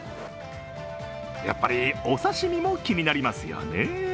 やっぱりお刺身も気になりますよね。